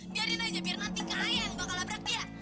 biarin aja biar nanti kaya yang bakal labrak dia